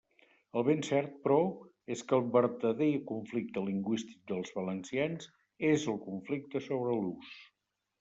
El ben cert, però, és que el vertader conflicte lingüístic dels valencians és el conflicte sobre l'ús.